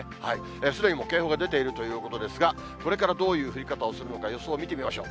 すでにもう警報が出ているということですが、これからどういう降り方をするのか、予想を見てみましょう。